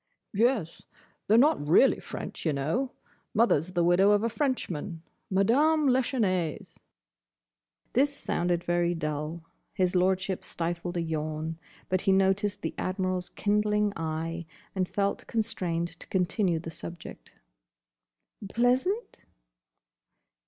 "Yes. They're not really French, y' know. Mother's the widow of a Frenchman. Madame Lachesnais." This sounded very dull. His Lordship stifled a yawn, but he noticed the Admiral's kindling eye, and felt constrained to continue the subject. "Pleasant?"